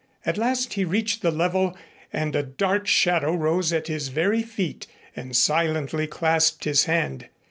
At last he reached the level and a dark shadow rose at his very feet and silently clasped his hand.